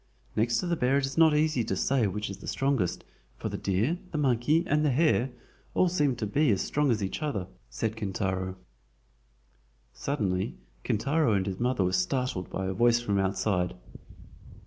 "Next to the bear it is not easy to say which is the strongest, for the deer, the monkey, and the hare all seem to be as strong as each other," said Kintaro. Suddenly Kintaro and his mother were startled by a voice from outside.